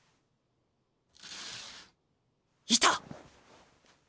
いた！